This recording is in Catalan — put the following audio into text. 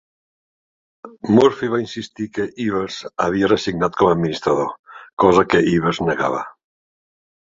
Murphy va insistir que Evers havia resignat com a administrador, cosa que Evers negava.